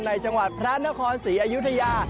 จังหวัดพระนครศรีอยุธยา